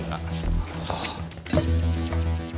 なるほど。